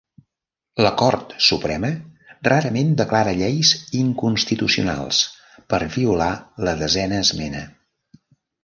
La Cort Suprema rarament declara lleis inconstitucionals per violar la Desena esmena.